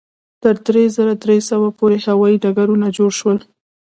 تر درې زره درې سوه پورې هوایي ډګرونه جوړ شول.